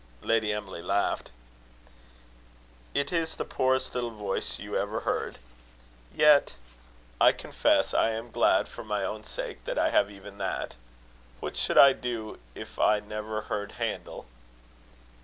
Lady Emily laughed. "It is the poorest little voice you ever heard; yet I confess I am glad, for my own sake, that I have even that. What should I do if I never heard Handel!"